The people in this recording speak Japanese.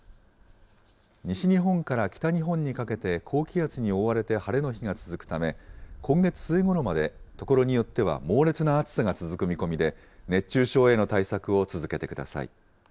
西日本から北日本にかけて高気圧に覆われて晴れの日が続くため、今月末ごろまで、所によっては猛烈な暑さが続く見込みで、熱中症への対策を続けてください。